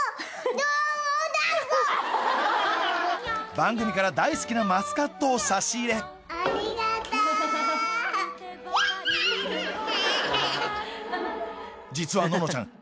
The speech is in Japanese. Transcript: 番組から大好きなマスカットを差し入れ実はののちゃん